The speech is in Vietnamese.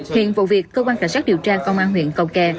hiện vụ việc cơ quan cảnh sát điều tra công an huyện cầu kè